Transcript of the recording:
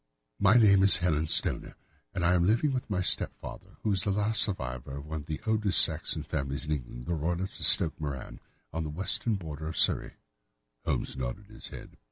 "My name is Helen Stoner, and I am living with my stepfather, who is the last survivor of one of the oldest Saxon families in England, the Roylotts of Stoke Moran, on the western border of Surrey." Holmes nodded his head.